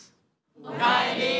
おかえり！